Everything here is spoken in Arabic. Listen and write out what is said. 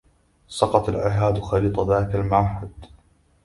سقت العهاد خليط ذاك المعهد